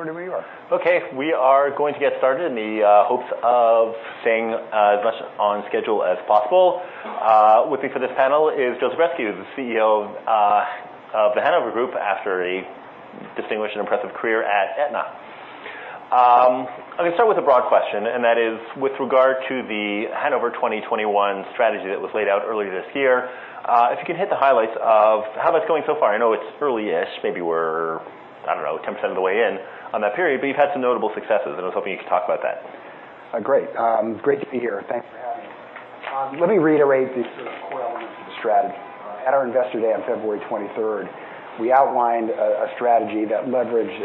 I'm going to mute you off. Okay, we are going to get started in the hopes of staying as much on schedule as possible. With me for this panel is John C. Roche, the CEO of The Hanover Insurance Group after a distinguished and impressive career at Aetna. I'm going to start with a broad question, that is with regard to the Hanover 2021 strategy that was laid out earlier this year. If you could hit the highlights of how that's going so far, I know it's early-ish. Maybe we're, I don't know, 10% of the way in on that period, but you've had some notable successes, and I was hoping you could talk about that. Great. Great to be here. Thanks for having me. Let me reiterate the sort of core elements of the strategy. At our investor day on February 23rd, we outlined a strategy that leveraged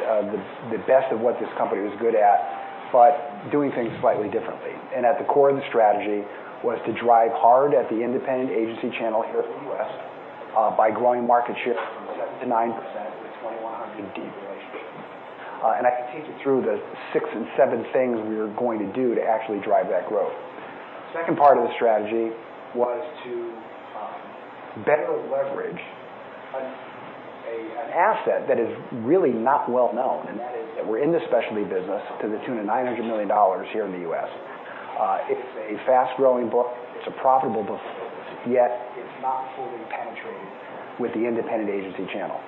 the best of what this company was good at, but doing things slightly differently. At the core of the strategy was to drive hard at the independent agency channel here in the U.S. by growing market share from 7%-9% with 2,100 deep relationships. I can take you through the six and seven things we are going to do to actually drive that growth. Second part of the strategy was to better leverage an asset that is really not well-known, that is that we're in the specialty business to the tune of $900 million here in the U.S. It's a fast-growing book. It's a profitable book, yet it's not fully penetrated with the independent agency channel.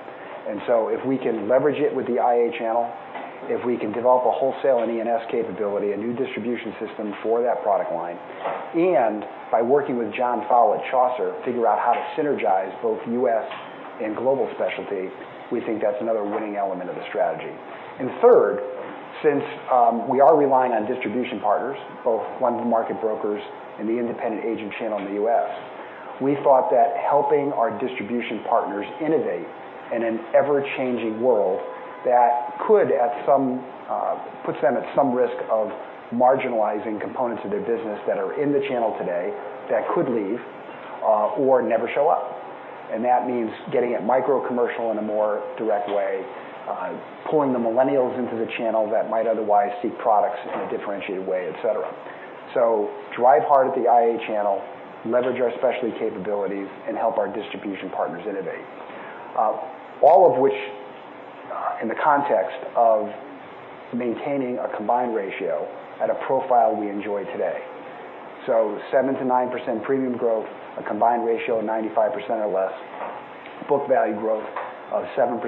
So if we can leverage it with the IA channel, if we can develop a wholesale and E&S capability, a new distribution system for that product line, and by working with John Fowle at Chaucer, figure out how to synergize both U.S. and global specialty, we think that's another winning element of the strategy. Third, since we are relying on distribution partners, both London market brokers and the independent agent channel in the U.S., we thought that helping our distribution partners innovate in an ever-changing world that puts them at some risk of marginalizing components of their business that are in the channel today that could leave or never show up. That means getting at micro commercial in a more direct way, pulling the millennials into the channel that might otherwise seek products in a differentiated way, et cetera. Drive hard at the IA channel, leverage our specialty capabilities, and help our distribution partners innovate. All of which, in the context of maintaining a combined ratio at a profile we enjoy today. 7%-9% premium growth, a combined ratio of 95% or less, book value growth of 7%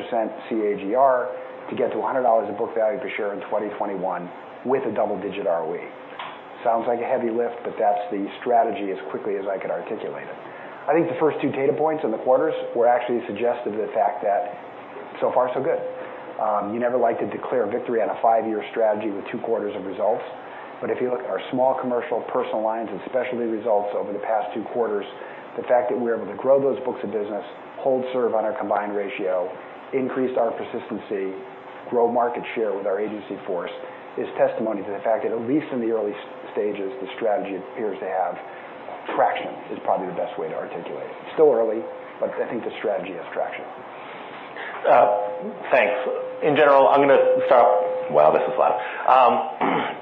CAGR to get to $100 of book value per share in 2021 with a double-digit ROE. Sounds like a heavy lift, but that's the strategy as quickly as I could articulate it. I think the first two data points in the quarters were actually suggestive of the fact that so far so good. You never like to declare victory on a five-year strategy with two quarters of results. If you look at our small commercial Personal Lines and specialty results over the past two quarters, the fact that we were able to grow those books of business, hold serve on our combined ratio, increase our persistency, grow market share with our agency force, is testimony to the fact that at least in the early stages, the strategy appears to have traction, is probably the best way to articulate it. Still early, I think the strategy has traction. Thanks. In general, I'm going to start off-- wow, this is loud.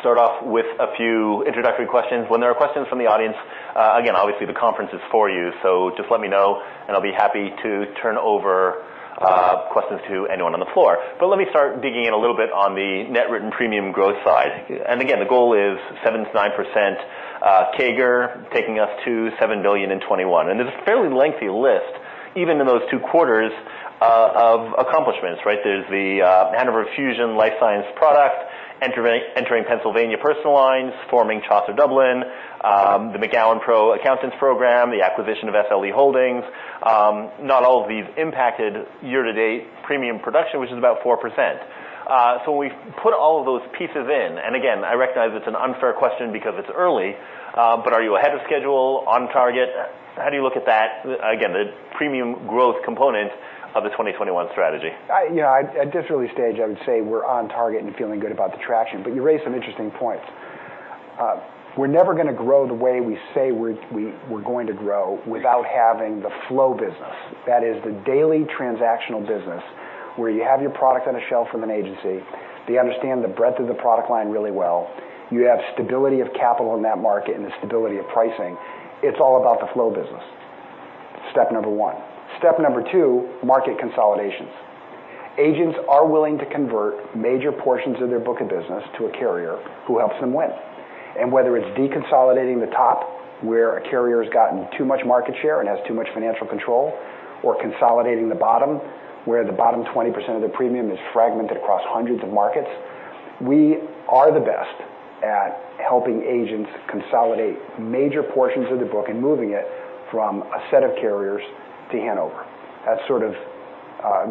Start off with a few introductory questions. When there are questions from the audience, again, obviously the conference is for you, so just let me know and I'll be happy to turn over questions to anyone on the floor. Let me start digging in a little bit on the net written premium growth side. Again, the goal is 7%-9% CAGR taking us to $7 billion in 2021. There's a fairly lengthy list, even in those two quarters, of accomplishments, right? There's the Hanover Fusion life sciences product, entering Pennsylvania Personal Lines, forming Chaucer Dublin, the McGowanPRO accountants program, the acquisition of SLE Holdings. Not all of these impacted year-to-date premium production, which is about 4%. We put all of those pieces in, again, I recognize it's an unfair question because it's early. Are you ahead of schedule? On target? How do you look at that, again, the premium growth component of the 2021 strategy? At this early stage, I would say we're on target and feeling good about the traction, you raise some interesting points. We're never going to grow the way we say we're going to grow without having the flow business. That is the daily transactional business where you have your product on a shelf in an agency. They understand the breadth of the product line really well. You have stability of capital in that market and the stability of pricing. It's all about the flow business. Step 1. Step 2, market consolidations. Agents are willing to convert major portions of their book of business to a carrier who helps them win. Whether it's deconsolidating the top, where a carrier's gotten too much market share and has too much financial control, or consolidating the bottom, where the bottom 20% of their premium is fragmented across hundreds of markets. We are the best at helping agents consolidate major portions of the book and moving it from a set of carriers to Hanover. That's sort of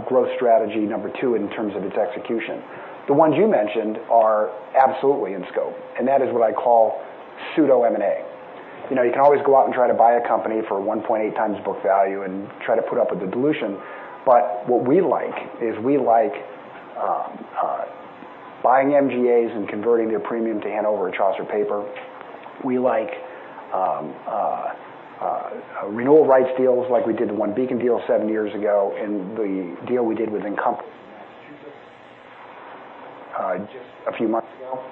growth strategy number two in terms of its execution. The ones you mentioned are absolutely in scope, and that is what I call pseudo M&A. You can always go out and try to buy a company for 1.8x book value and try to put up with the dilution, but what we like is we like buying MGAs and converting their premium to Hanover or Chaucer paper. We like renewal rights deals like we did the OneBeacon deal seven years ago and the deal we did with Encompass in Massachusetts just a few months ago.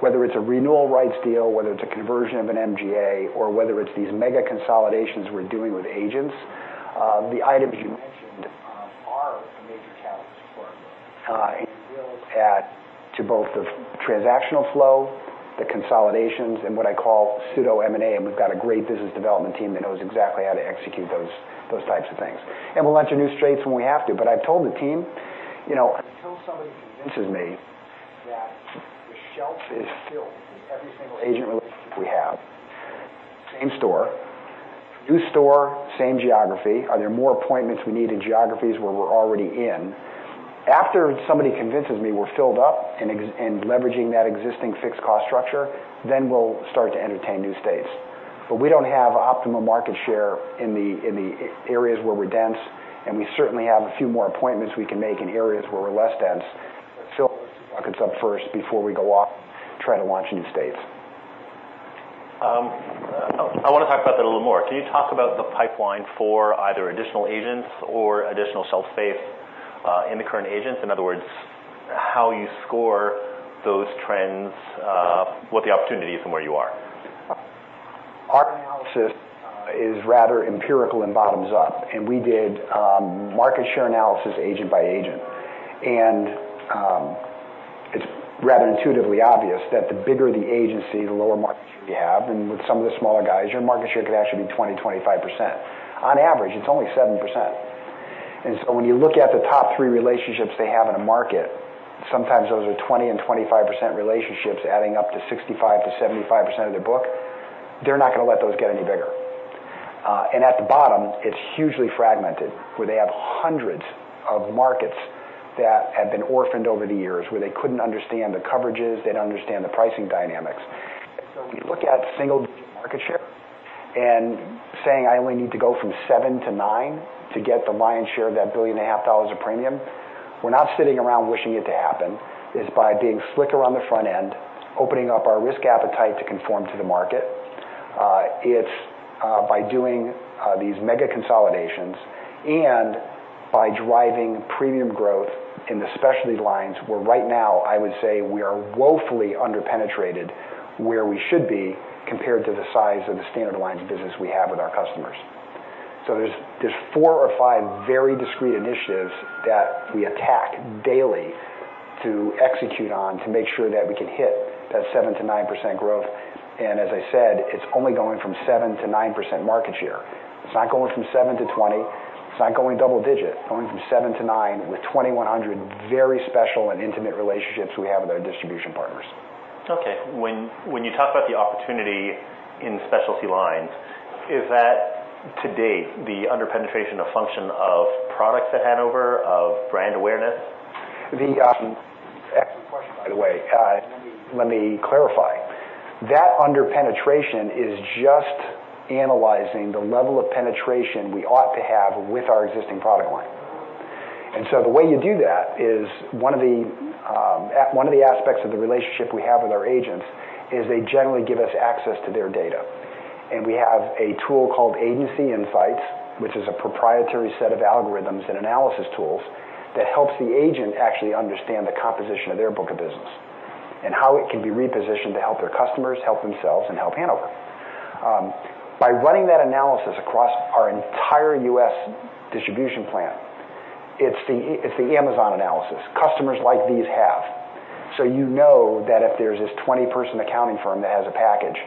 Whether it's a renewal rights deal, whether it's a conversion of an MGA, or whether it's these mega consolidations we're doing with agents, the items you mentioned are a major catalyst for growth. It will add to both the transactional flow, the consolidations, and what I call pseudo M&A, and we've got a great business development team that knows exactly how to execute those types of things. We'll enter new states when we have to. I've told the team, until somebody convinces me that the shelf is filled with every single agent relationship we have, same store. New store, same geography. Are there more appointments we need in geographies where we're already in? After somebody convinces me we're filled up and leveraging that existing fixed cost structure, then we'll start to entertain new states. We don't have optimal market share in the areas where we're dense, and we certainly have a few more appointments we can make in areas where we're less dense. Let's fill those buckets up first before we go off trying to launch new states. I want to talk about that a little more. Can you talk about the pipeline for either additional agents or additional shelf space in the current agents? In other words, how you score those trends, what the opportunity is and where you are. Our analysis is rather empirical and bottoms up. We did market share analysis agent by agent. It's rather intuitively obvious that the bigger the agency, the lower market share you have, and with some of the smaller guys, your market share could actually be 20%-25%. On average, it's only 7%. When you look at the top three relationships they have in a market, sometimes those are 20% and 25% relationships adding up to 65%-75% of their book. They're not going to let those get any bigger. At the bottom, it's hugely fragmented, where they have hundreds of markets that have been orphaned over the years, where they couldn't understand the coverages, they didn't understand the pricing dynamics. We look at single digit market share and saying, I only need to go from 7-9 to get the lion's share of that billion and a half dollars of premium. We're not sitting around wishing it to happen. It's by being slicker on the front end, opening up our risk appetite to conform to the market. It's by doing these mega consolidations and by driving premium growth in the specialty lines where right now I would say we are woefully under-penetrated where we should be compared to the size of the standard lines business we have with our customers. There's four or five very discrete initiatives that we attack daily to execute on to make sure that we can hit that 7%-9% growth. As I said, it's only going from 7%-9% market share. It's not going from 7-20. It's not going double digit. Going from 7-9 with 2,100 very special and intimate relationships we have with our distribution partners. Okay. When you talk about the opportunity in specialty lines, is that to date the under-penetration a function of products at Hanover, of brand awareness? That's an excellent question, by the way. Let me clarify. That under-penetration is just analyzing the level of penetration we ought to have with our existing product line. The way you do that is one of the aspects of the relationship we have with our agents is they generally give us access to their data. We have a tool called Agency Insights, which is a proprietary set of algorithms and analysis tools that helps the agent actually understand the composition of their book of business and how it can be repositioned to help their customers, help themselves, and help Hanover. By running that analysis across our entire U.S. distribution plan, it's the Amazon analysis. Customers like these have. You know that if there's this 20-person accounting firm that has a package,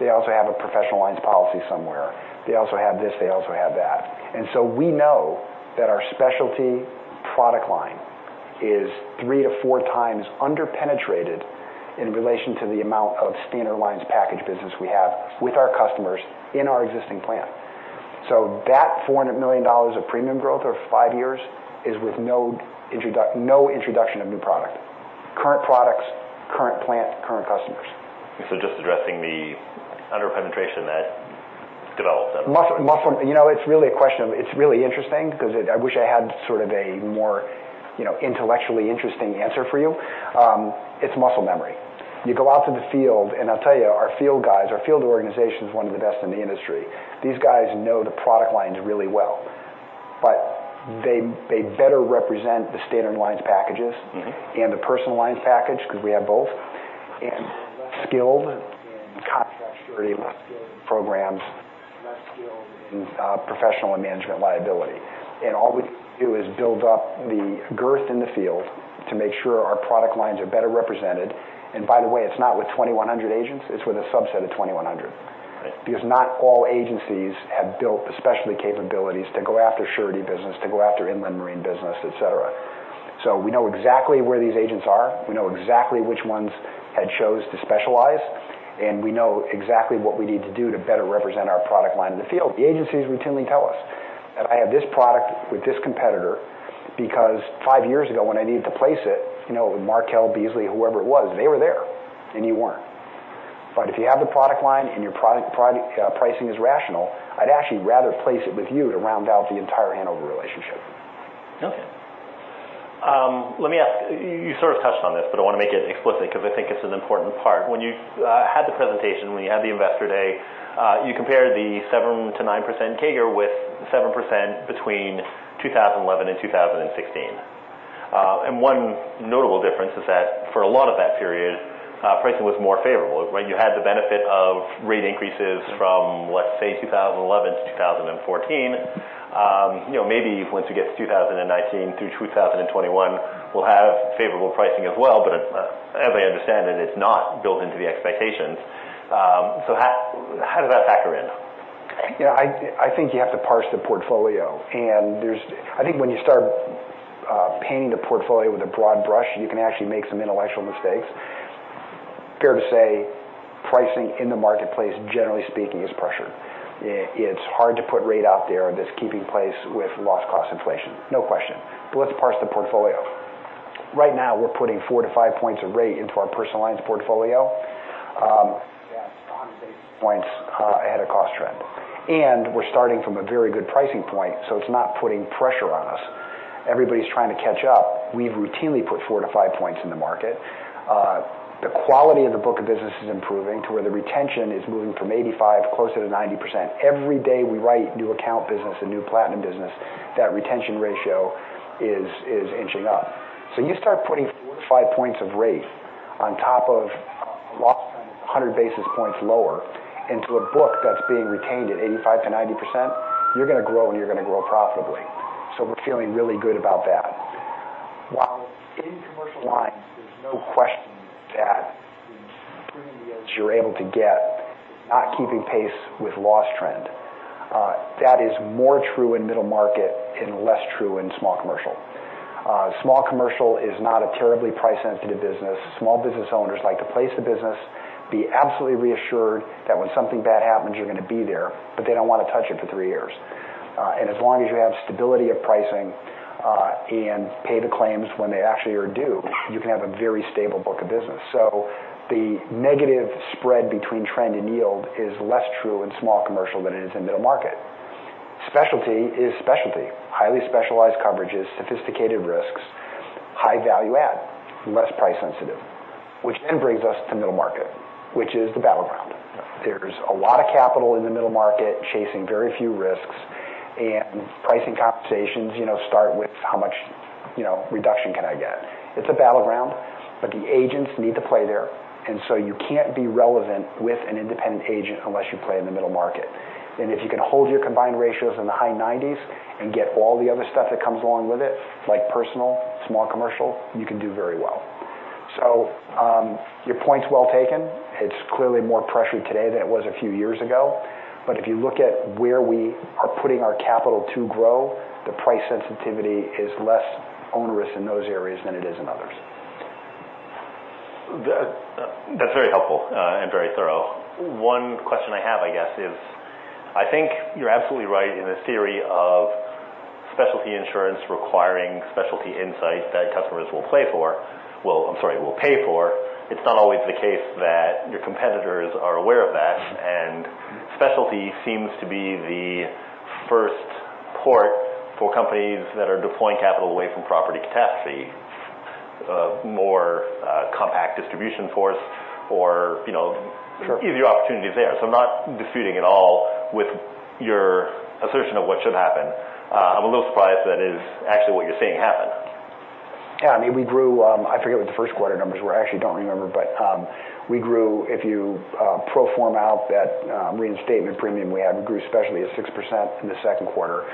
they also have a professional lines policy somewhere. They also have this, they also have that. We know that our specialty product line is three to four times under-penetrated in relation to the amount of standard lines package business we have with our customers in our existing plan. That $400 million of premium growth over five years is with no introduction of new product. Current products, current plant, current customers. Just addressing the under-penetration that developed then. It's really interesting because I wish I had sort of a more intellectually interesting answer for you. It's muscle memory. You go out to the field, and I'll tell you, our field guys, our field organization is one of the best in the industry. These guys know the product lines really well. They better represent the standard lines packages and the personal lines package because we have both, and less skilled in construction, surety, less skilled in programs, less skilled in professional and management liability. All we do is build up the girth in the field to make sure our product lines are better represented. By the way, it's not with 2,100 agents, it's with a subset of 2,100. Right. Not all agencies have built the specialty capabilities to go after surety business, to go after inland marine business, et cetera. We know exactly where these agents are. We know exactly which ones had chose to specialize, and we know exactly what we need to do to better represent our product line in the field. The agencies routinely tell us that I have this product with this competitor because five years ago when I needed to place it, with Markel, Beazley, whoever it was, they were there and you weren't. If you have the product line and your pricing is rational, I'd actually rather place it with you to round out the entire Hanover relationship. Okay. Let me ask, you sort of touched on this, but I want to make it explicit because I think it's an important part. When you had the presentation, when you had the investor day, you compared the 7%-9% CAGR with 7% between 2011 and 2016. One notable difference is that for a lot of that period, pricing was more favorable. You had the benefit of rate increases from, let's say, 2011-2014. Maybe once we get to 2019-2021, we'll have favorable pricing as well, but as I understand it's not built into the expectations. How does that factor in? I think you have to parse the portfolio. I think when you start painting the portfolio with a broad brush, you can actually make some intellectual mistakes. Fair to say, pricing in the marketplace, generally speaking, is pressured. It's hard to put rate out there that's keeping pace with loss cost inflation. No question. Let's parse the portfolio. Right now, we're putting 4-5 points of rate into our personal lines portfolio. That's 100 basis points ahead of cost trend. We're starting from a very good pricing point, so it's not putting pressure on us. Everybody's trying to catch up. We've routinely put 4-5 points in the market. The quality of the book of business is improving to where the retention is moving from 85% closer to 90%. Every day we write new account business and new platinum business, that retention ratio is inching up. You start putting 4-5 points of rate on top of loss trend 100 basis points lower into a book that's being retained at 85%-90%, you're going to grow and you're going to grow profitably. We're feeling really good about that. While in Commercial Lines, there's no question that the premium you're able to get is not keeping pace with loss trend. That is more true in middle market and less true in small commercial. Small commercial is not a terribly price-sensitive business. Small business owners like to place the business, be absolutely reassured that when something bad happens, you're going to be there, but they don't want to touch it for three years. As long as you have stability of pricing, and pay the claims when they actually are due, you can have a very stable book of business. The negative spread between trend and yield is less true in small commercial than it is in middle market. Specialty is specialty. Highly specialized coverages, sophisticated risks, high value add, less price sensitive. That brings us to middle market, which is the battleground. There's a lot of capital in the middle market chasing very few risks, and pricing conversations start with how much reduction can I get. It's a battleground, but the agents need to play there. You can't be relevant with an independent agent unless you play in the middle market. If you can hold your combined ratios in the high 90s and get all the other stuff that comes along with it, like personal, small commercial, you can do very well. Your point's well taken. It's clearly more pressured today than it was a few years ago. If you look at where we are putting our capital to grow, the price sensitivity is less onerous in those areas than it is in others. That's very helpful and very thorough. One question I have, I guess, is I think you're absolutely right in the theory of specialty insurance requiring specialty insight that customers will pay for. It's not always the case that your competitors are aware of that, and specialty seems to be the first port for companies that are deploying capital away from property catastrophe. More compact distribution force. Sure The opportunity is there. I'm not disputing at all with your assertion of what should happen. I'm a little surprised that is actually what you're seeing happen. Yeah. I forget what the first quarter numbers were. I actually don't remember, we grew, if you pro forma out that reinstatement premium we had, we grew specialty at 6% in the second quarter.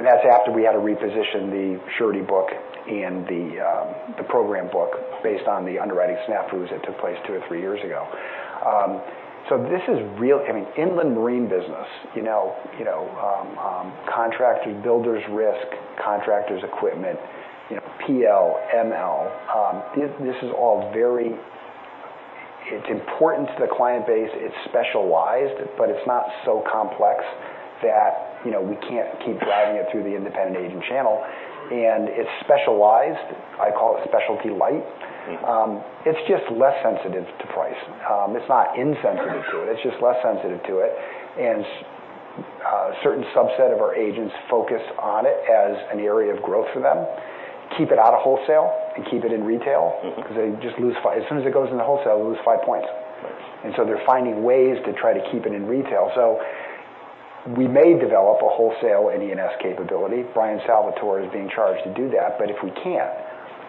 That's after we had to reposition the surety book and the program book based on the underwriting snafus that took place two or three years ago. This is real. I mean, inland marine business, contractor builders risk, contractors equipment, PL, ML. It's important to the client base. It's specialized, but it's not so complex that we can't keep driving it through the independent agent channel. It's specialized. I call it specialty light. It's just less sensitive to price. It's not insensitive to it's just less sensitive to it. A certain subset of our agents focus on it as an area of growth for them. Keep it out of wholesale and keep it in retail. As soon as it goes into wholesale, they lose five points. Right. They're finding ways to try to keep it in retail. We may develop a wholesale E&S capability. Bryan Salvatore is being charged to do that. If we can't,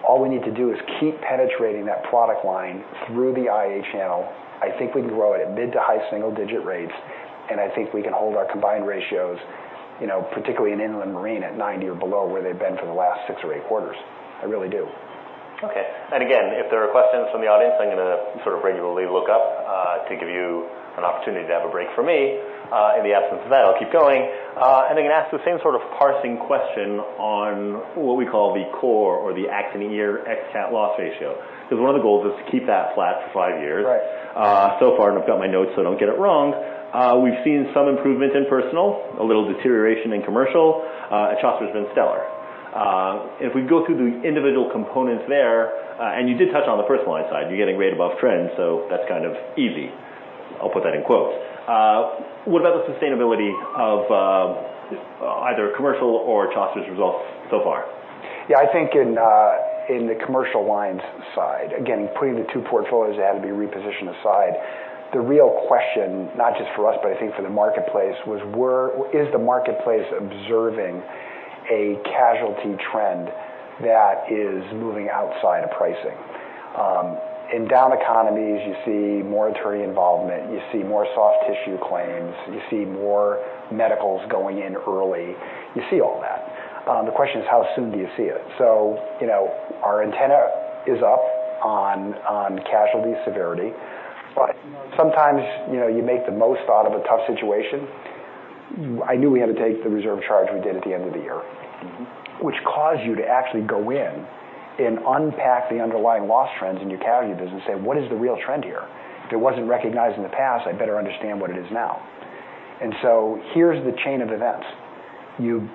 all we need to do is keep penetrating that product line through the IA channel. I think we can grow it at mid to high single digit rates, and I think we can hold our combined ratios, particularly in inland marine at 90 or below where they've been for the last six or eight quarters. I really do. Okay. Again, if there are questions from the audience, I'm going to regularly look up, to give you an opportunity to have a break from me. In the absence of that, I'll keep going. I'm going to ask the same sort of parsing question on what we call the core or the accident year CAT loss ratio. Because one of the goals is to keep that flat for five years. Right. Far, I've got my notes so I don't get it wrong, we've seen some improvement in Personal, a little deterioration in Commercial, and Chaucer's been stellar. If we go through the individual components there, you did touch on the Personal Lines side. You're getting rate above trend, that's kind of easy. I'll put that in quotes. What about the sustainability of either Commercial or Chaucer's results so far? I think in the Commercial Lines side, again, putting the two portfolios that had to be repositioned aside, the real question, not just for us, but I think for the marketplace was is the marketplace observing a casualty trend that is moving outside of pricing. In down economies, you see more attorney involvement, you see more soft tissue claims, you see more medicals going in early. You see all that. The question is, how soon do you see it? Our antenna is up on casualty severity. Sometimes, you make the most out of a tough situation. I knew we had to take the reserve charge we did at the end of the year. Which caused you to actually go in and unpack the underlying loss trends in your casualty business and say, "What is the real trend here? If it wasn't recognized in the past, I better understand what it is now." Here's the chain of events. You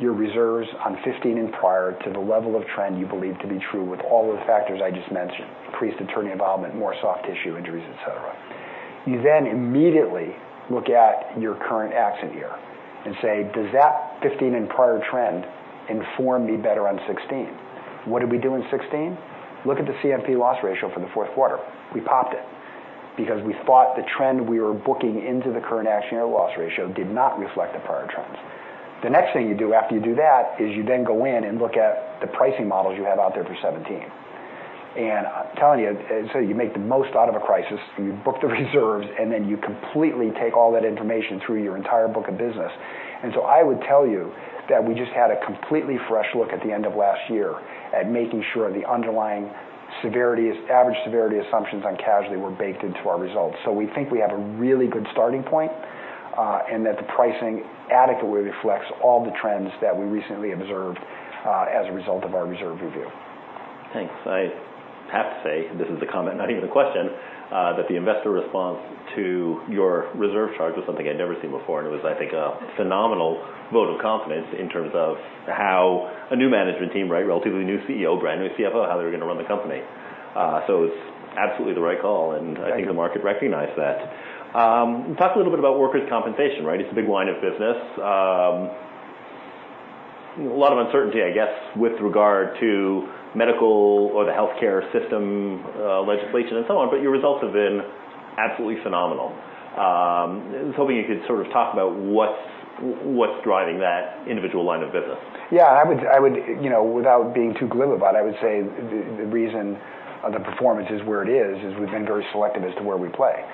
book your reserves on 2015 and prior to the level of trend you believe to be true with all of the factors I just mentioned, increased attorney involvement, more soft tissue injuries, et cetera. You then immediately look at your current accident year and say, "Does that 2015 and prior trend inform me better on 2016?" What did we do in 2016? Look at the CMP loss ratio for the fourth quarter. We popped it because we thought the trend we were booking into the current accident year loss ratio did not reflect the prior trends. The next thing you do after you do that is you then go in and look at the pricing models you have out there for 2017. I'm telling you make the most out of a crisis, you book the reserves, you completely take all that information through your entire book of business. I would tell you that we just had a completely fresh look at the end of last year at making sure the underlying average severity assumptions on casualty were baked into our results. We think we have a really good starting point, and that the pricing adequately reflects all the trends that we recently observed as a result of our reserve review. Thanks. I have to say, this is a comment, not even a question, that the investor response to your reserve charge was something I'd never seen before. It was, I think, a phenomenal vote of confidence in terms of how a new management team, relatively new CEO, brand new CFO, how they were going to run the company. It's absolutely the right call, and I think the market recognized that. Talk a little bit about workers' compensation. It's a big line of business. A lot of uncertainty, I guess, with regard to medical or the healthcare system legislation and so on, but your results have been absolutely phenomenal. I was hoping you could sort of talk about what's driving that individual line of business. Yeah. Without being too glib about it, I would say the reason the performance is where it is we've been very selective as to where we play.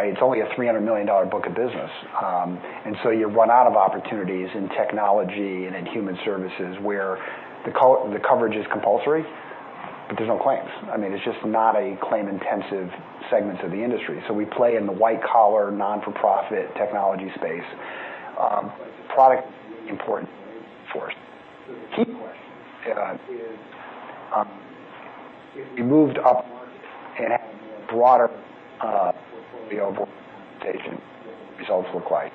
It's only a $300 million book of business. You run out of opportunities in technology and in human services where the coverage is compulsory, but there's no claims. It's just not a claim-intensive segment of the industry. We play in the white collar, not-for-profit technology space. Product is really important for us. The key question is, if we moved up market and had a broader portfolio of workers' compensation, what would the results look like?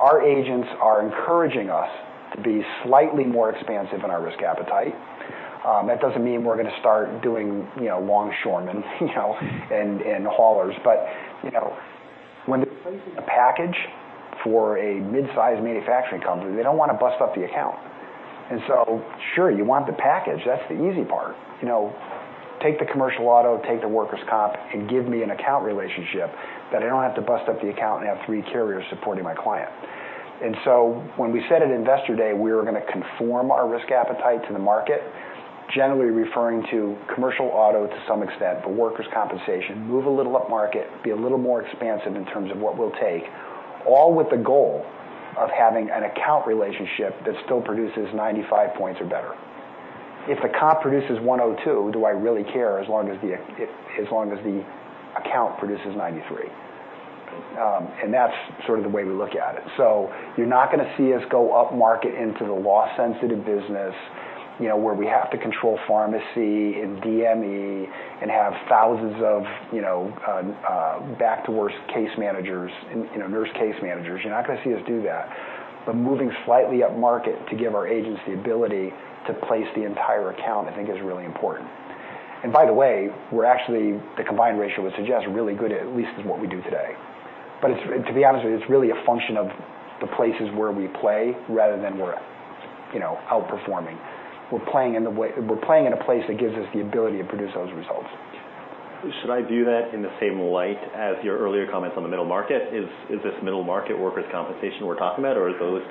Our agents are encouraging us to be slightly more expansive in our risk appetite. That doesn't mean we're going to start doing longshoremen, and haulers. When they're placing a package for a mid-size manufacturing company, they don't want to bust up the account. Sure, you want the package. That's the easy part. Take the commercial auto, take the workers' comp, and give me an account relationship that I don't have to bust up the account and have three carriers supporting my client. When we said at Investor Day we were going to conform our risk appetite to the market, generally referring to commercial auto to some extent, but workers' compensation, move a little up market, be a little more expansive in terms of what we'll take, all with the goal of having an account relationship that still produces 95 points or better. If the comp produces 102, do I really care as long as the account produces 93? That's sort of the way we look at it. You're not going to see us go up market into the loss-sensitive business, where we have to control pharmacy and DME and have thousands of back to work case managers, nurse case managers. You're not going to see us do that. Moving slightly up market to give our agents the ability to place the entire account, I think is really important. By the way, we're actually, the combined ratio would suggest, really good at least with what we do today. To be honest with you, it's really a function of the places where we play rather than we're outperforming. We're playing in a place that gives us the ability to produce those results. Should I view that in the same light as your earlier comments on the middle market? Is this middle market workers' compensation we're talking about, or are those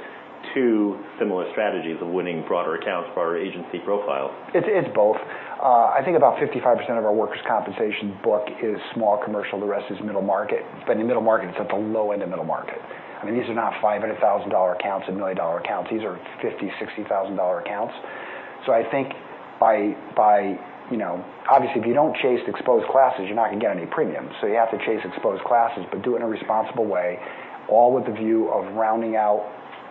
two similar strategies of winning broader accounts, broader agency profiles? It's both. I think about 55% of our workers' compensation book is small commercial, the rest is middle market. In middle market, it's at the low end of middle market. These are not $500,000 accounts and $1 million accounts. These are $50,000, $60,000 accounts. I think obviously, if you don't chase exposed classes, you're not going to get any premiums. You have to chase exposed classes, do it in a responsible way, all with the view of rounding out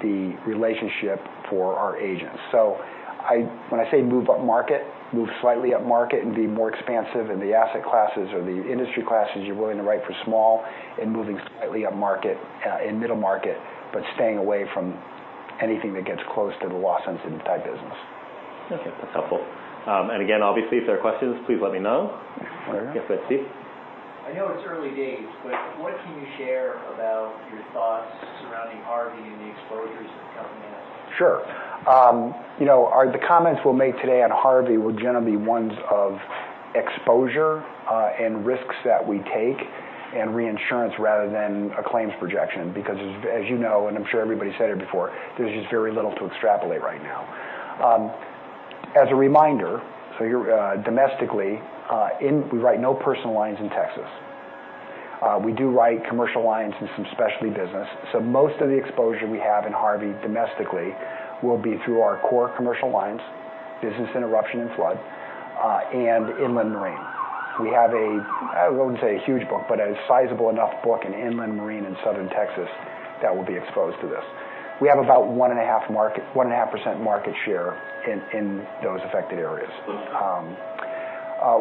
the relationship for our agents. When I say move up market, move slightly up market and be more expansive in the asset classes or the industry classes you're willing to write for small and moving slightly up market in middle market, staying away from anything that gets close to the loss-sensitive type business. That's helpful. Again, obviously, if there are questions, please let me know. Sure. Yes, Steve? I know it's early days, but what can you share about your thoughts surrounding Hurricane Harvey and the exposures that the company has? Sure. The comments we'll make today on Hurricane Harvey will generally be ones of exposure and risks that we take in reinsurance rather than a claims projection. As you know, and I'm sure everybody's said it before, there's just very little to extrapolate right now. As a reminder, domestically, we write no personal lines in Texas. We do write commercial lines in some specialty business. Most of the exposure we have in Hurricane Harvey domestically will be through our core commercial lines, business interruption and flood, and inland marine. We have a, I wouldn't say a huge book, but a sizable enough book in inland marine in southern Texas that will be exposed to this. We have about 1.5% market share in those affected areas.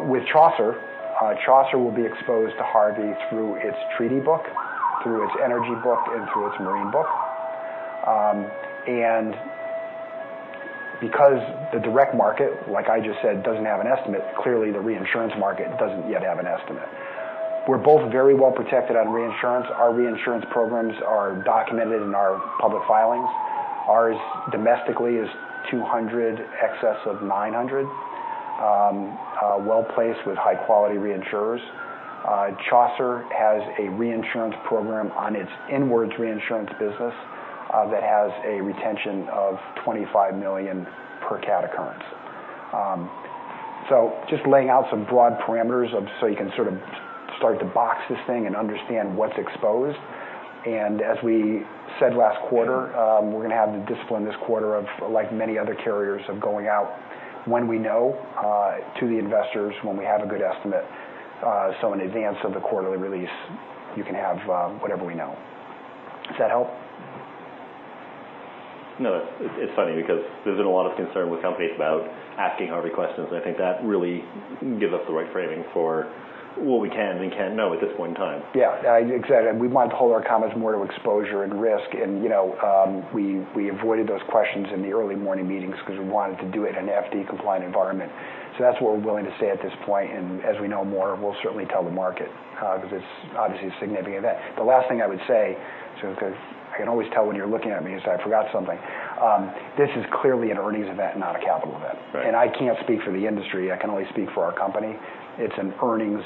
With Chaucer will be exposed to Hurricane Harvey through its treaty book, through its energy book, and through its marine book. Because the direct market, like I just said, doesn't have an estimate, clearly the reinsurance market doesn't yet have an estimate. We're both very well protected on reinsurance. Our reinsurance programs are documented in our public filings. Ours domestically is $200 excess of $900, well-placed with high-quality reinsurers. Chaucer has a reinsurance program on its inwards reinsurance business that has a retention of $25 million per cat occurrence. Just laying out some broad parameters so you can start to box this thing and understand what's exposed. As we said last quarter, we're going to have the discipline this quarter of, like many other carriers, of going out when we know to the investors when we have a good estimate. In advance of the quarterly release, you can have whatever we know. Does that help? No. It's funny because there's been a lot of concern with companies about asking Hurricane Harvey questions. I think that really gives us the right framing for what we can and can't know at this point in time. Yeah, exactly. We want to hold our comments more to exposure and risk. We avoided those questions in the early morning meetings because we wanted to do it in an FD-compliant environment. That's what we're willing to say at this point. As we know more, we'll certainly tell the market because it's obviously a significant event. The last thing I would say, because I can always tell when you're looking at me is I forgot something. This is clearly an earnings event, not a capital event. Right. I can't speak for the industry. I can only speak for our company. It's an earnings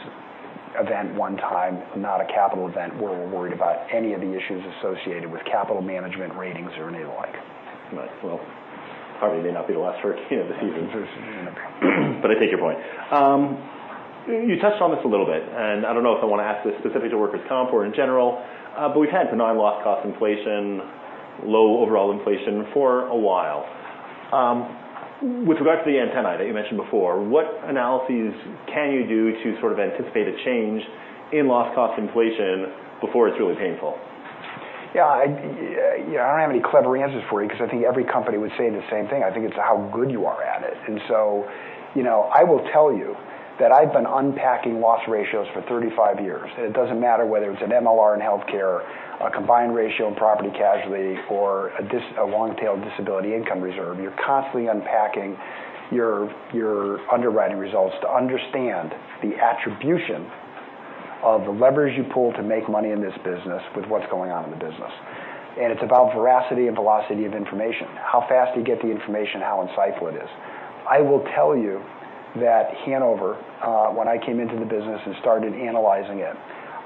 event one time, not a capital event where we're worried about any of the issues associated with capital management ratings or anything like. Right. Well, Hurricane Harvey may not be the last hurricane of the season. There's another coming. I take your point. You touched on this a little bit, and I don't know if I want to ask this specific to workers' comp or in general, we've had benign loss cost inflation, low overall inflation for a while. With regard to the antennae that you mentioned before, what analyses can you do to anticipate a change in loss cost inflation before it's really painful? I don't have any clever answers for you because I think every company would say the same thing. I think it's how good you are at it. I will tell you that I've been unpacking loss ratios for 35 years. It doesn't matter whether it's an MLR in healthcare, a combined ratio in property casualty, or a long-tail disability income reserve. You're constantly unpacking your underwriting results to understand the attribution of the levers you pull to make money in this business with what's going on in the business. It's about veracity and velocity of information. How fast do you get the information, how insightful it is. I will tell you that Hanover when I came into the business and started analyzing it,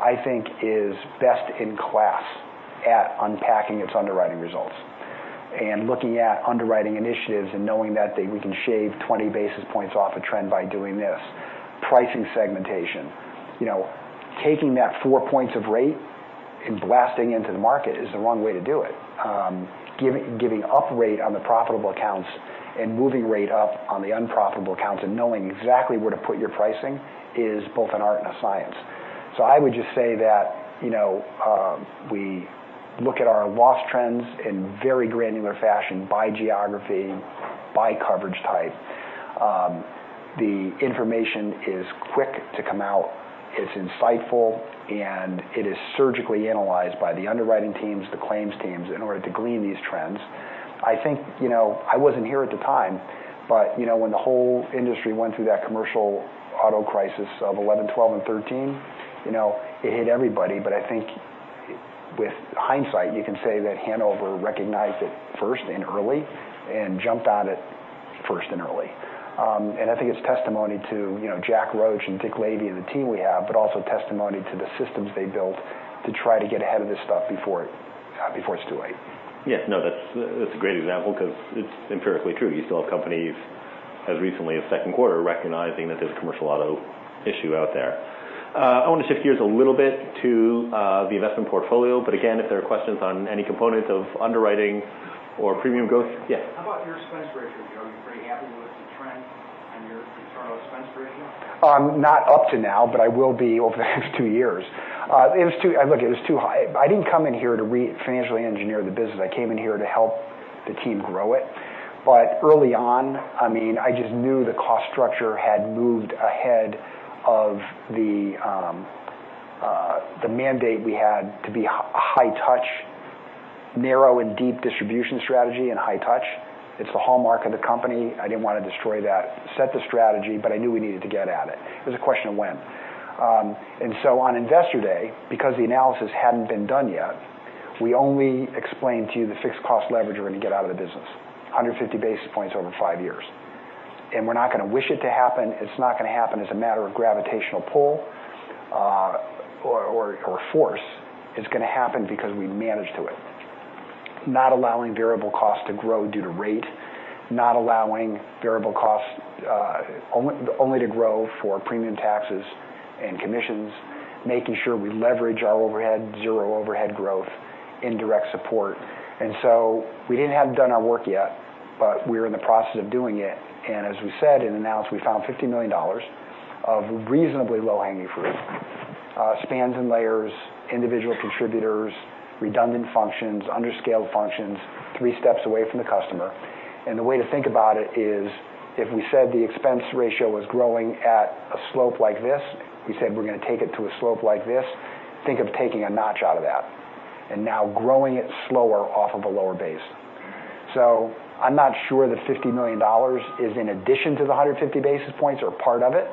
I think is best in class at unpacking its underwriting results and looking at underwriting initiatives and knowing that we can shave 20 basis points off a trend by doing this. Pricing segmentation. Taking that four points of rate and blasting into the market is the wrong way to do it. Giving up rate on the profitable accounts and moving rate up on the unprofitable accounts and knowing exactly where to put your pricing is both an art and a science. I would just say that we look at our loss trends in very granular fashion by geography, by coverage type. The information is quick to come out, it's insightful, and it is surgically analyzed by the underwriting teams, the claims teams in order to glean these trends. I wasn't here at the time, but when the whole industry went through that commercial auto crisis of 2011, 2012, and 2013, it hit everybody, but I think with hindsight, you can say that Hanover recognized it first and early and jumped on it first and early. I think it's testimony to Jack Roche and Dick Lavey and the team we have, but also testimony to the systems they built to try to get ahead of this stuff before it's too late. No, that's a great example because it's empirically true. You still have companies as recently as second quarter recognizing that there's a commercial auto issue out there. I want to shift gears a little bit to the investment portfolio, but again, if there are questions on any component of underwriting or premium growth. How about your expense ratios? Are you pretty happy with the trend on your internal expense ratio? Not up to now, but I will be over the next two years. Look, it was too high. I didn't come in here to financially engineer the business. I came in here to help the team grow it. Early on, I just knew the cost structure had moved ahead of the mandate we had to be high touch, narrow and deep distribution strategy, and high touch. It's the hallmark of the company. I didn't want to destroy that. Set the strategy, but I knew we needed to get at it. It was a question of when. On Investor Day, because the analysis hadn't been done yet, we only explained to you the fixed cost leverage we're going to get out of the business, 150 basis points over five years. We're not going to wish it to happen. It's not going to happen as a matter of gravitational pull or force. It's going to happen because we managed to it. Not allowing variable costs to grow due to rate, not allowing variable costs only to grow for premium taxes and commissions, making sure we leverage our overhead, zero overhead growth in direct support. We didn't have done our work yet, but we're in the process of doing it. As we said in announce, we found $50 million of reasonably low-hanging fruit, spans and layers, individual contributors, redundant functions, under-scaled functions, three steps away from the customer. The way to think about it is if we said the expense ratio was growing at a slope like this, we said we're going to take it to a slope like this. Think of taking a notch out of that and now growing it slower off of a lower base. I'm not sure that $50 million is in addition to the 150 basis points or part of it,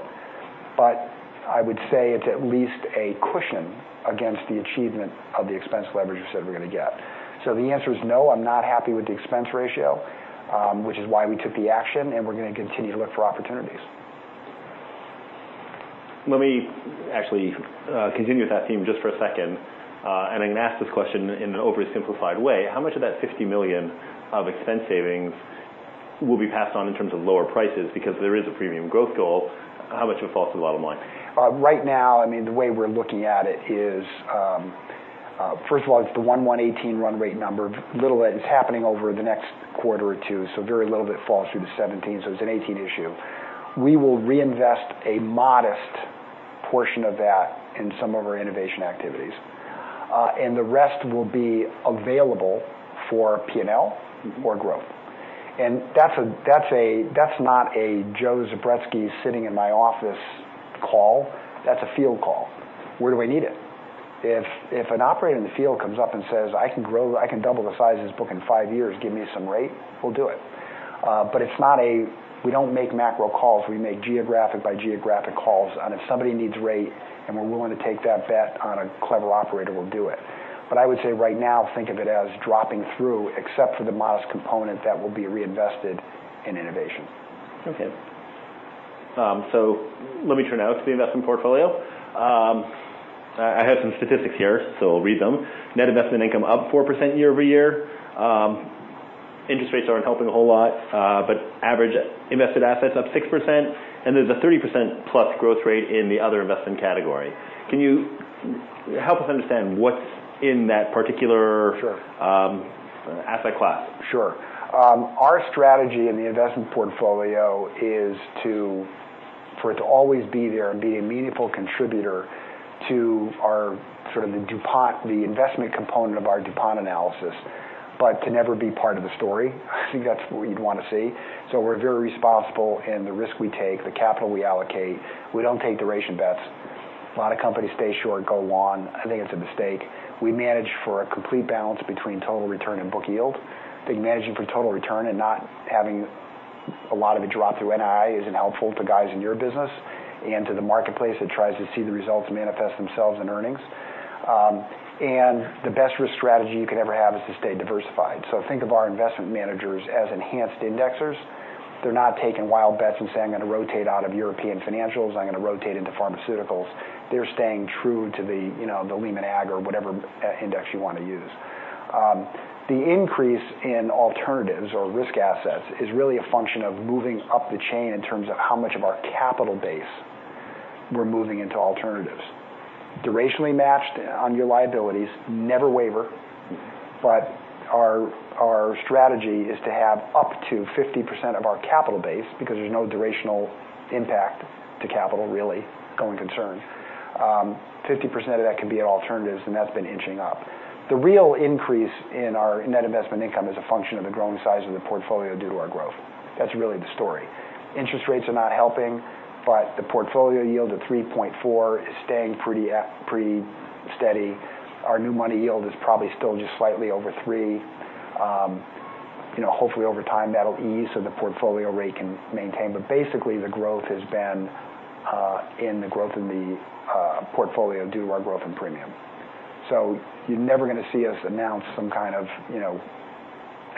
but I would say it's at least a cushion against the achievement of the expense leverage we said we're going to get. The answer is no, I'm not happy with the expense ratio, which is why we took the action, and we're going to continue to look for opportunities. Let me actually continue with that theme just for a second. I'm going to ask this question in an oversimplified way. How much of that $50 million of expense savings will be passed on in terms of lower prices? Because there is a premium growth goal, how much will fall to the bottom line? Right now, the way we're looking at it is, first of all, it's the 118 run rate number. Little of it is happening over the next quarter or two, very little of it falls through to 2017. It's a 2018 issue. We will reinvest a modest portion of that in some of our innovation activities. The rest will be available for P&L or growth. That's not a Joseph Zubretsky sitting in my office call. That's a field call. Where do I need it? If an operator in the field comes up and says, "I can double the size of this book in five years, give me some rate," we'll do it. We don't make macro calls. We make geographic by geographic calls. If somebody needs rate and we're willing to take that bet on a clever operator, we'll do it. I would say right now, think of it as dropping through, except for the modest component that will be reinvested in innovation. Okay. Let me turn now to the investment portfolio. I have some statistics here. I'll read them. Net investment income up 4% year-over-year. Interest rates aren't helping a whole lot. Average invested assets up 6%, and there's a 30%+ growth rate in the other investment category. Can you help us understand what's in that particular- Sure asset class? Sure. Our strategy in the investment portfolio is for it to always be there and be a meaningful contributor to our sort of the investment component of our DuPont analysis, but to never be part of the story. I think that's what you'd want to see. We're very responsible in the risk we take, the capital we allocate. We don't take duration bets. A lot of companies stay short, go long. I think it's a mistake. We manage for a complete balance between total return and book yield. I think managing for total return and not having a lot of it drop through NI isn't helpful to guys in your business and to the marketplace that tries to see the results manifest themselves in earnings. The best risk strategy you could ever have is to stay diversified. Think of our investment managers as enhanced indexers. They're not taking wild bets and saying, "I'm going to rotate out of European financials. I'm going to rotate into pharmaceuticals." They're staying true to the Lehman Agg or whatever index you want to use. The increase in alternatives or risk assets is really a function of moving up the chain in terms of how much of our capital base we're moving into alternatives. Durationally matched on your liabilities, never waver. Our strategy is to have up to 50% of our capital base because there's no durational impact to capital really going concern. 50% of that can be in alternatives, and that's been inching up. The real increase in our net investment income is a function of the growing size of the portfolio due to our growth. That's really the story. Interest rates are not helping, but the portfolio yield of 3.4% is staying pretty steady. Our new money yield is probably still just slightly over three. Hopefully over time, that'll ease so the portfolio rate can maintain. Basically, the growth has been in the growth in the portfolio due to our growth in premium. You're never going to see us announce some kind of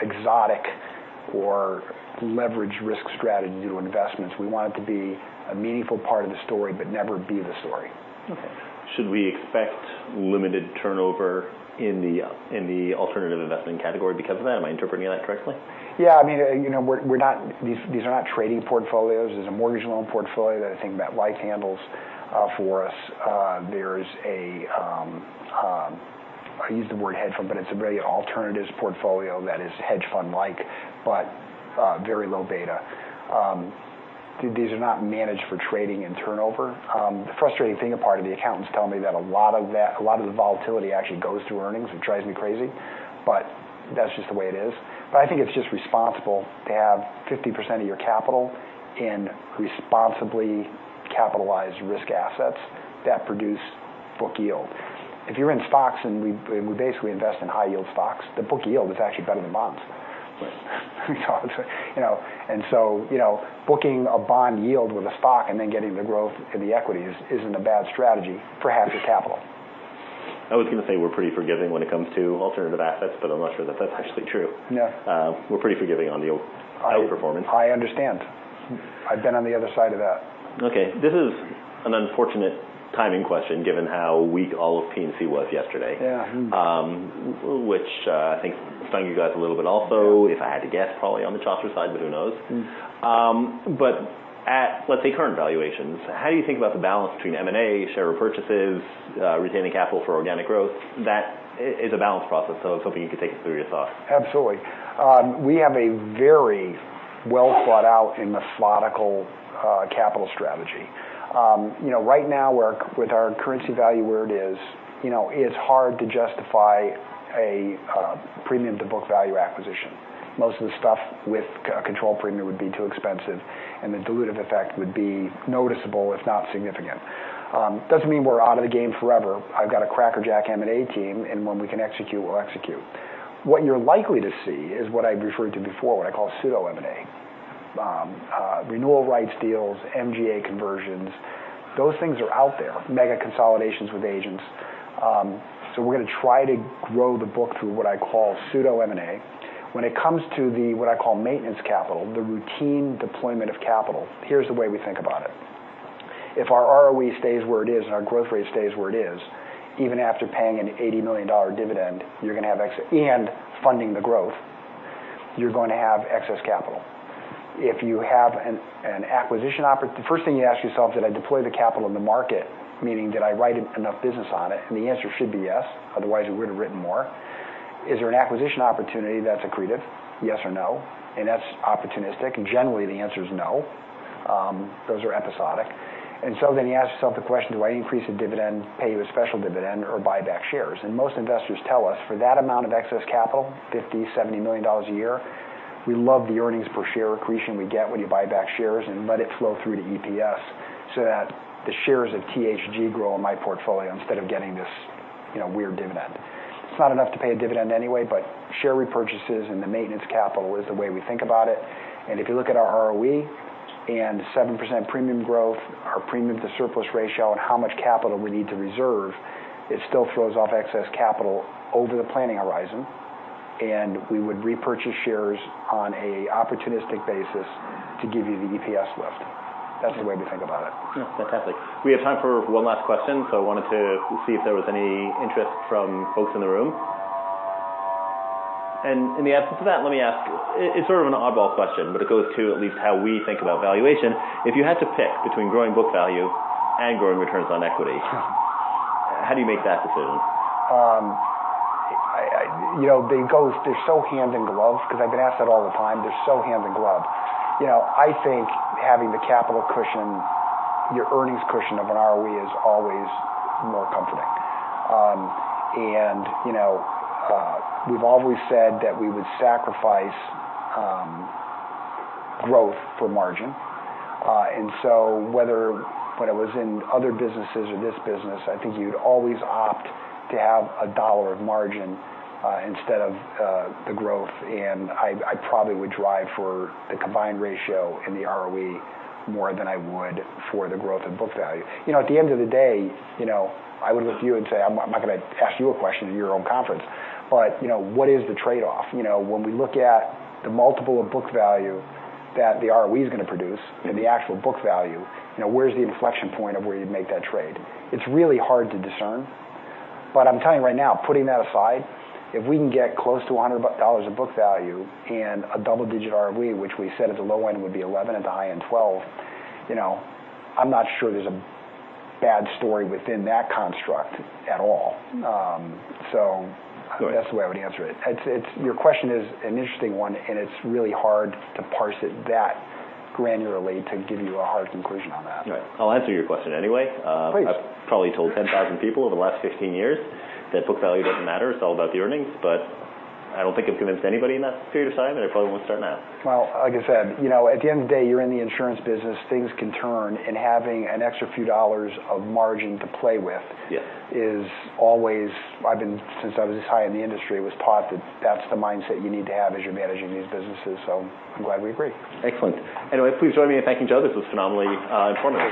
exotic or leverage risk strategy to investments. We want it to be a meaningful part of the story, but never be the story. Okay. Should we expect limited turnover in the alternative investment category because of that? Am I interpreting that correctly? Yeah. These are not trading portfolios. There's a mortgage loan portfolio that I think that Life handles for us. There's a very alternatives portfolio that is hedge fund-like, but very low beta. These are not managed for trading and turnover. The frustrating thing, a part of the accountants tell me that a lot of the volatility actually goes through earnings, which drives me crazy, but that's just the way it is. I think it's just responsible to have 50% of your capital in responsibly capitalized risk assets that produce Book yield. If you're in stocks, and we basically invest in high-yield stocks, the book yield is actually better than bonds. Right. Booking a bond yield with a stock and then getting the growth in the equity isn't a bad strategy, perhaps with capital. I was going to say we're pretty forgiving when it comes to alternative assets, but I'm not sure that that's actually true. No. We're pretty forgiving on the outperformance. I understand. I've been on the other side of that. This is an unfortunate timing question, given how weak all of P&C was yesterday. Yeah. I think stung you guys a little bit also. Yeah. If I had to guess, probably on the Chaucer side, who knows? At, let's say current valuations, how do you think about the balance between M&A, share repurchases, retaining capital for organic growth? That is a balance process, I was hoping you could take us through your thoughts. Absolutely. We have a very well-thought-out and methodical capital strategy. Right now, with our currency value where it is, it's hard to justify a premium-to-book value acquisition. Most of the stuff with a control premium would be too expensive, and the dilutive effect would be noticeable, if not significant. Doesn't mean we're out of the game forever. I've got a crackerjack M&A team, and when we can execute, we'll execute. What you're likely to see is what I referred to before, what I call pseudo M&A. Renewal rights deals, MGA conversions, those things are out there. Mega consolidations with agents. We're going to try to grow the book through what I call pseudo M&A. When it comes to the, what I call maintenance capital, the routine deployment of capital, here's the way we think about it. If our ROE stays where it is, and our growth rate stays where it is, even after paying an $80 million dividend and funding the growth, you're going to have excess capital. The first thing you ask yourself, did I deploy the capital in the market? Meaning, did I write enough business on it? The answer should be yes, otherwise, we would've written more. Is there an acquisition opportunity that's accretive? Yes or no? That's opportunistic, and generally, the answer is no. Those are episodic. You ask yourself the question, do I increase the dividend, pay you a special dividend, or buy back shares? Most investors tell us, for that amount of excess capital, $50, $70 million a year, we love the earnings per share accretion we get when you buy back shares and let it flow through to EPS, so that the shares of THG grow in my portfolio instead of getting this weird dividend. It's not enough to pay a dividend anyway, but share repurchases and the maintenance capital is the way we think about it. If you look at our ROE and 7% premium growth, our premium to surplus ratio, and how much capital we need to reserve, it still throws off excess capital over the planning horizon, and we would repurchase shares on a opportunistic basis to give you the EPS lift. That's the way we think about it. Yeah. Fantastic. We have time for one last question, so I wanted to see if there was any interest from folks in the room. In the absence of that, let me ask, it's sort of an oddball question, but it goes to at least how we think about valuation. If you had to pick between growing book value and growing returns on equity- Yeah How do you make that decision? They're so hand in glove because I've been asked that all the time. They're so hand in glove. I think having the capital cushion, your earnings cushion of an ROE is always more comforting. We've always said that we would sacrifice growth for margin. Whether when it was in other businesses or this business, I think you'd always opt to have $1 of margin instead of the growth. I probably would drive for the combined ratio and the ROE more than I would for the growth in book value. At the end of the day, I would look at you and say, I'm not going to ask you a question at your own conference, what is the trade-off? When we look at the multiple of book value that the ROE is going to produce and the actual book value, where's the inflection point of where you'd make that trade? It's really hard to discern. I'm telling you right now, putting that aside, if we can get close to $100 of book value and a double-digit ROE, which we said at the low end would be 11, at the high end 12, I'm not sure there's a bad story within that construct at all. That's the way I would answer it. Your question is an interesting one, and it's really hard to parse it that granularly to give you a hard conclusion on that. Right. I'll answer your question anyway. Please. I've probably told 10,000 people over the last 15 years that book value doesn't matter. It's all about the earnings. I don't think I've convinced anybody in that period of time, I probably won't start now. Well, like I said, at the end of the day, you're in the insurance business, things can turn, having an extra few dollars of margin to play with- Yeah is always, since I was this high in the industry, was taught that that's the mindset you need to have as you're managing these businesses. I'm glad we agree. Excellent. Anyway, please join me in thanking John. This was phenomenally informative.